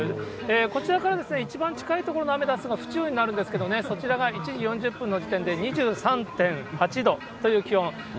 こちらから一番近い所のアメダスが府中になるんですけどね、そちらが１時４０分の時点で２３．８度という気温。